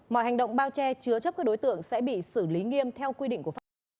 mọi hành động bao che chứa chấp các đối tượng sẽ bị xử lý nghiêm theo quy định của pháp luật